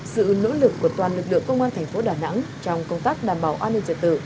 sự nỗ lực của toàn lực lượng công an thành phố đà nẵng trong công tác đảm bảo an ninh trật tự